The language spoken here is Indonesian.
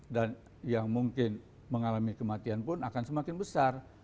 dan yang mungkin mengalami kematian pun akan semakin besar